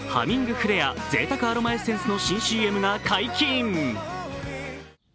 フレア贅沢アロマエッセンスの新ＣＭが解禁。